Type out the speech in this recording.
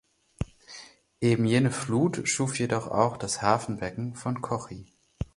Eben jene Flut schuf jedoch auch das Hafenbecken von Kochi.